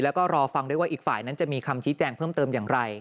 แล้วก็รอฟังด้วยว่าอีกฝ่ายนั้นจะมีคำชี้แจงเพิ่มเติมอย่างไร